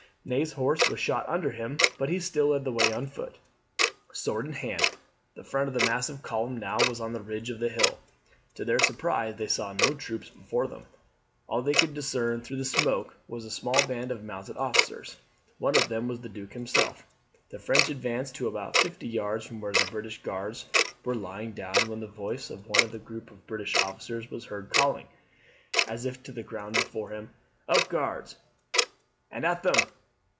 Ney's horse was shot under him, but he still led the way on foot, sword in hand. The front of the massive column now was on the ridge of the hill. To their surprise they saw no troops before them. All they could discern through the smoke was a small band of mounted officers. One of them was the Duke himself. The French advanced to about fifty yards from where the British Guards were lying down when the voice of one of the group of British officers was heard calling, as if to the ground before him, "Up, Guards, and at them!"